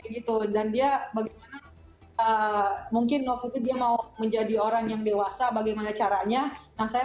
gitu dan dia bagaimana mungkin waktu itu dia mau menjadi orang yang dewasa bagaimana caranya nah saya